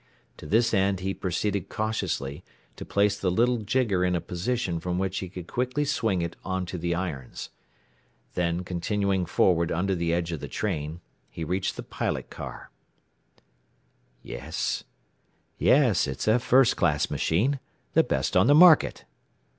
To this end he proceeded cautiously to place the little jigger in a position from which he could quickly swing it onto the irons. Then continuing forward under the edge of the train, he reached the pilot car. "Yes; it's a first class machine the best on the market."